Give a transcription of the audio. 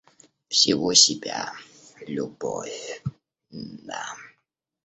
Всего себя, любовь... да.